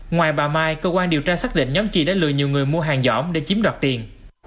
ngoài bà mai cơ quan điều tra xác định nhóm chi đã lừa nhiều người mua hàng giỏm để chiếm đoạt tiền